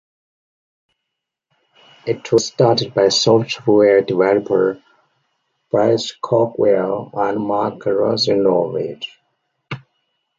It was started by software developers Bryce Cogswell and Mark Russinovich.